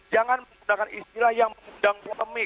jangan menggunakan istilah yang mengundang polemik